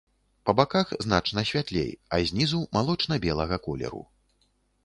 Па баках значна святлей, а знізу малочна-белага колеру.